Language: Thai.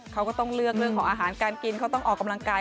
เขาก็ต้องเลือกเรื่องของอาหารการกินเขาต้องออกกำลังกาย